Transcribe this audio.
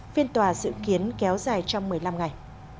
phiên tòa dự kiến kéo dài trong một mươi năm ngày